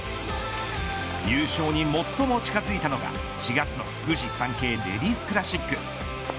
優勝に最も近づいたのが４月のフジサンケイレディスクラシック。